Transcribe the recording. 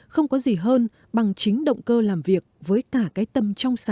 không có gì hơn bằng chính động cơ làm việc với cả cái tâm trong xã